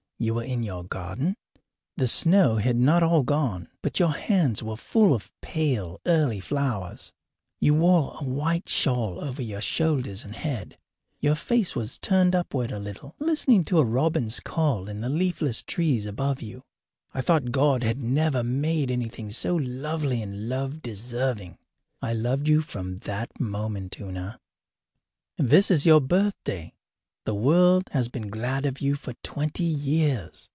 You were in your garden. The snow had not all gone, but your hands were full of pale, early flowers. You wore a white shawl over your shoulders and head. Your face was turned upward a little, listening to a robin's call in the leafless trees above you. I thought God had never made anything so lovely and love deserving. I loved you from that moment, Una. This is your birthday. The world has been glad of you for twenty years.